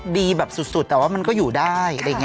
ดิฉันก็อ้วนขึ้นขึ้น